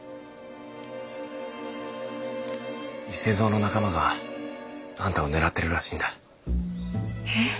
伊勢蔵の仲間があんたを狙ってるらしいんだ。え？